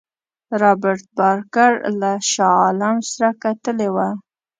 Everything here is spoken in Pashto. رابرټ بارکر له شاه عالم سره کتلي وه.